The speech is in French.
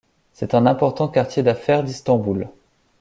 C'est un important quartier d'affaires d'Istanbul.